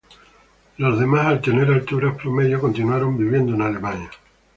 Los demás al tener alturas promedio, continuaron viviendo en Alemania.